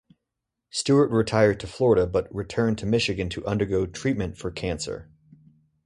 Stewart retired to Florida but returned to Michigan to undergo treatment for cancer.